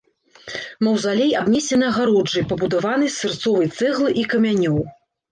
Маўзалей абнесены агароджай, пабудаванай з сырцовай цэглы і камянёў.